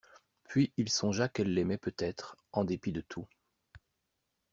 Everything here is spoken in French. Puis il songea qu'elle l'aimait peut-être en dépit de tout.